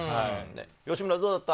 吉村、どうだった？